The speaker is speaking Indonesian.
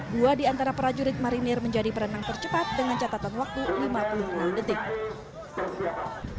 dua di antara prajurit marinir menjadi perenang tercepat dengan catatan waktu lima puluh enam detik